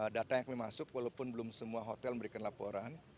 data yang kami masuk walaupun belum semua hotel memberikan laporan